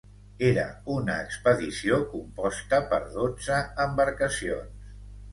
Era una expedició composta per dotze embarcacions.